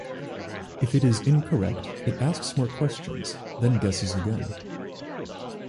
If it is incorrect, it asks more questions, then guesses again.